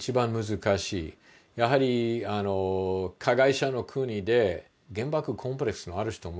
やはり加害者の国で原爆コンプレックスのある人もいる。